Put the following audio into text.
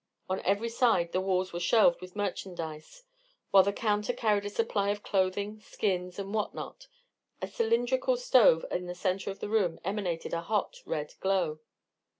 On every side the walls were shelved with merchandise, while the counter carried a supply of clothing, skins, and what not; a cylindrical stove in the centre of the room emanated a hot, red glow.